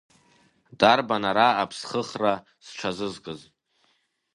Дарбан ара аԥсхыхра зҽазызкыз?